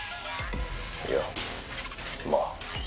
いやまぁ。